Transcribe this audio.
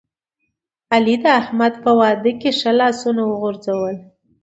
علی د احمد په واده کې ښه لاسونه وغورځول.